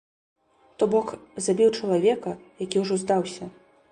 То бок, забіў чалавека, які ўжо здаўся.